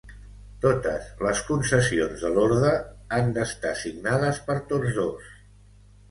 Totes les concessions de l'orde han d'estar signades per tots dos.